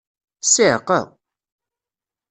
Ssiɛqa!